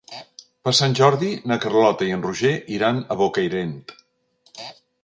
Per Sant Jordi na Carlota i en Roger iran a Bocairent.